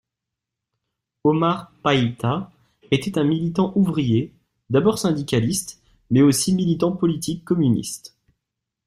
Omar Paitta était un militant ouvrier, d'abord syndicaliste, mais aussi militant politique communiste.